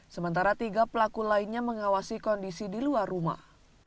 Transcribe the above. sementara tiga pelaku lainnya mengawasi kondisi di luar rumah